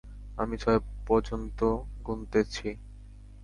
আমি ছয় পযন্ত গুনতেছি।